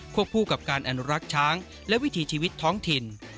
คู่กับการอนุรักษ์ช้างและวิถีชีวิตท้องถิ่น